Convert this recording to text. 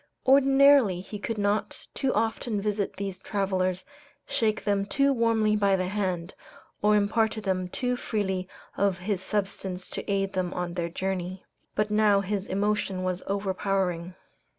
Ordinarily he could not too often visit these travelers, shake them too warmly by the hand, or impart to them too freely of his substance to aid them on their journey. But now his emotion was overpowering.